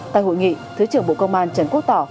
tại hội nghị thứ trưởng bộ công an trần quốc tỏ